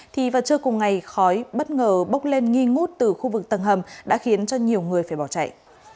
thì vào trưa cùng ngày khói bất ngờ bốc lên nghi ngút từ khu vực tầng hầm đã khiến cho nhiều người phải bỏ chạy